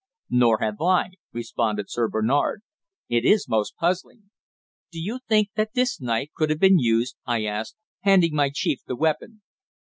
"Nor have I," responded Sir Bernard. "It is most puzzling." "Do you think that this knife could have been used?" I asked, handing my chief the weapon.